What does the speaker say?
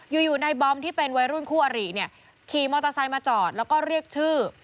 อยู่ในบอมที่เป็นวัยรุ่นคู่อริเนี่ยขี่มอเตอร์ไซค์มาจอดแล้วก็เรียกชื่อ